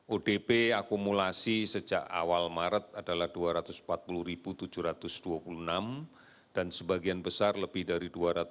odp akumulasi sejak awal maret adalah dua ratus empat puluh tujuh ratus dua puluh enam dan sebagian besar lebih dari dua ratus enam puluh